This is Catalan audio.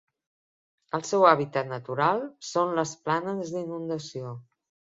El seu hàbitat natural són les planes d'inundació.